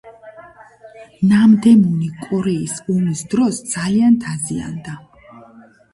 ნამდემუნი კორეის ომის დროს ძალიან დაზიანდა.